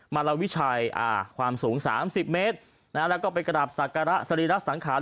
มาลวิชัยความสูง๓๐เมตรแล้วก็ไปกลับสริรัสสังขาร